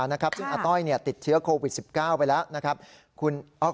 ซึ่งอาต้อยติดเชื้อโควิด๑๙ไปแล้วนะครับ